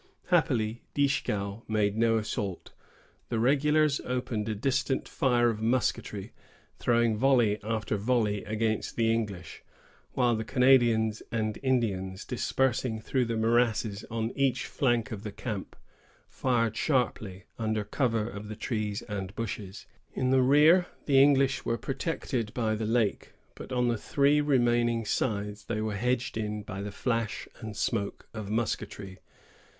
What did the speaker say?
Happily, Dieskau made no assault. The regulars opened a distant fire of musketry, throwing volley after volley against the English, while the Canadians and Indians, dispersing through the morasses on each flank of the camp, fired sharply, under cover of the trees and bushes. In the rear, the English were protected by the lake; but on the three remaining sides, they were hedged in by the flash and smoke of musketry.